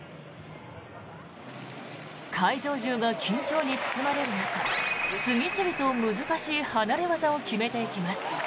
会場中が緊張に包まれる中次々と難しい離れ技を決めていきます。